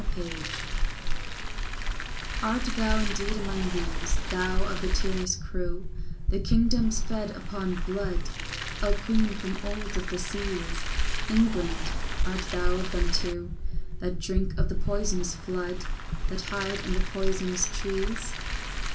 AN APPEAL I ART thou indeed among these, Thou of the tyrannous crew, The kingdoms fed upon blood, O queen from of old of the seas, England, art thou of them too That drink of the poisonous flood, That hide under poisonous trees?